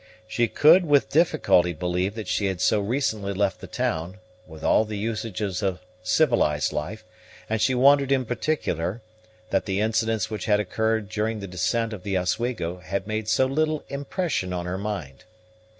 She could with difficulty believe that she had so recently left the town, with all the usages of civilized life; and she wondered in particular that the incidents which had occurred during the descent of the Oswego had made so little impression on her mind.